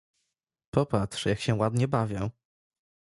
— Popatrz, jak się ładnie bawię.